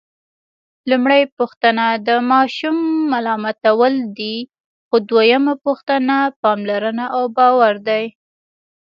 لومړۍ پوښتنه د ماشوم ملامتول دي، خو دویمه پوښتنه پاملرنه او باور دی.